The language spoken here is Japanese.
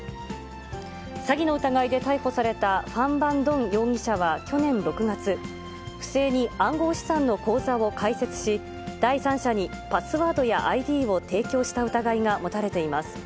詐欺の疑いで逮捕されたファン・ヴァン・ドン容疑者は、去年６月、不正に暗号資産の口座を開設し、第三者にパスワードやＩＤを提供した疑いが持たれています。